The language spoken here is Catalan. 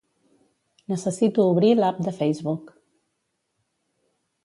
Necessito obrir l'app de Facebook.